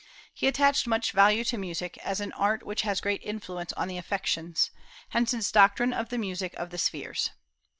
He attached much value to music, as an art which has great influence on the affections; hence his doctrine of the music of the spheres.